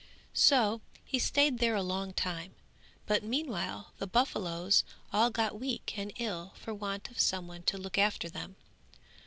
So he stayed there a long time, but meanwhile the buffaloes all got weak and ill for want of some one to look after them.